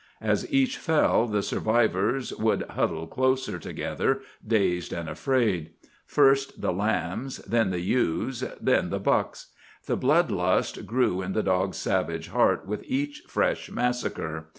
As each fell, the survivors would huddle closer together, dazed and afraid. First the lambs, then the ewes, then the bucks. The blood lust grew in the dog's savage heart with each fresh massacre.